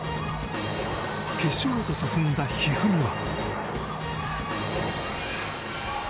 決勝へと進んだ一二三は。